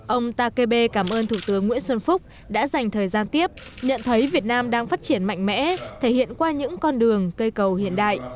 ông takebe cảm ơn thủ tướng nguyễn xuân phúc đã dành thời gian tiếp nhận thấy việt nam đang phát triển mạnh mẽ thể hiện qua những con đường cây cầu hiện đại